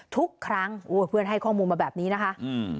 ทุกครั้งโอ้ยเพื่อนให้ข้อมูลมาแบบนี้นะคะอืม